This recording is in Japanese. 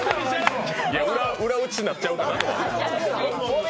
裏打ちになっちゃうかなって。